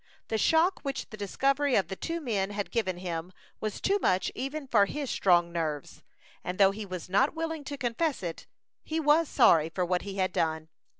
The shock which the discovery of the two men had given him, was too much even for his strong nerves; and though he was not willing to confess it, he was sorry for what he had done.